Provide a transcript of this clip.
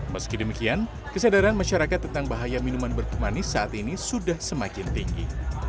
meski demikian kesadaran masyarakat tentang bahaya minuman berkemanis saat ini sudah semakin tinggi